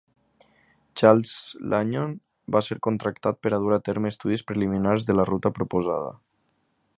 Charles Lanyon va ser contractat per a dur a terme estudis preliminars de la ruta proposada.